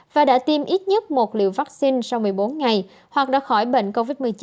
và đã tiêm ít nhất một liều vaccine sau một mươi bốn ngày hoặc đã khỏi bệnh covid một mươi chín